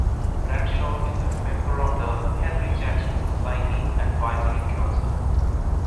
Bradshaw is a member of the Henry Jackson Society Advisory Council.